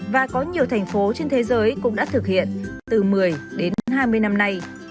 và có nhiều thành phố trên thế giới cũng đã thực hiện từ một mươi đến hai mươi năm nay